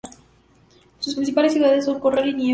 Sus principales ciudades son Corral y Niebla.